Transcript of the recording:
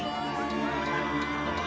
kita yang mencintai